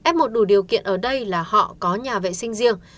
f một đủ điều kiện ở đây là họ có nhà vệ sinh riêng